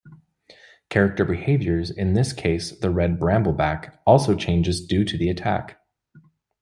Character behaviors, in this case the Red Brambleback, also changes due to the attack.